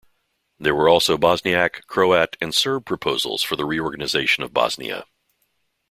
There were also Bosniak, Croat and Serb proposals for the reorganisation of Bosnia.